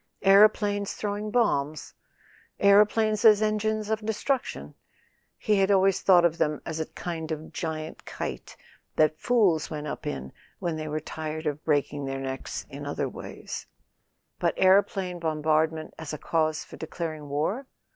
Aeroplanes throwing bombs? Aeroplanes as engines of destruction? He had always thought of them as a kind of giant kite that fools went up in when they were tired of breaking their necks in other ways. But aero¬ plane bombardment as a cause for declaring war